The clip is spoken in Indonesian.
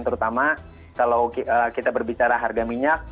terutama kalau kita berbicara harga minyak